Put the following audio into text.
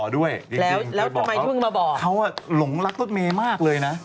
ดูสมุยนะเขาครอบครัวรถเมมาก